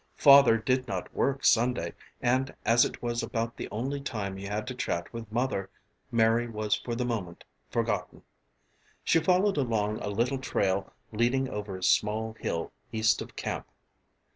Father did not work Sunday, and as it was about the only time he had to chat with Mother, Mary was for the moment forgotten. She followed along a little trail leading over a small hill east of camp.